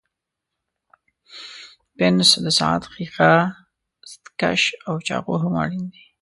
پنس، د ساعت ښيښه، ستکش او چاقو هم اړین دي.